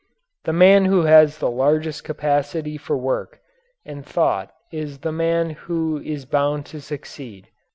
The man who has the largest capacity for work and thought is the man who is bound to succeed.